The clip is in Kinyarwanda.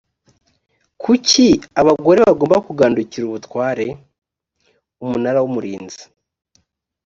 kuki abagore bagomba kugandukira ubutware umunara w’umurinzi